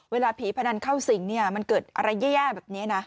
เวลาผีพนันเข้าสิงมันเกิดอะไรแย่แบบนี้นะ